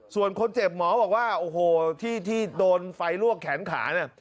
ส่วนคนเจ็บหมอบอกว่าโอ้โหที่โดนไฟลวกแขนขาเนี่ย